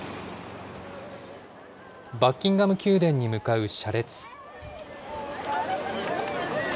バッキンガム宮殿に向かう車列。